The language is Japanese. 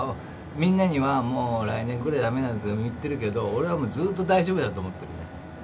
みんなにはもう来年くらいにはダメだとか言ってるけど俺はもうずっと大丈夫だと思ってるね。